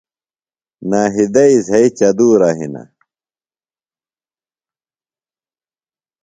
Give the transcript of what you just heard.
ناہیدئی زھئی چدُورہ ہِنہ۔